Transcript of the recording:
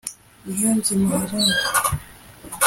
Niyonzima Haruna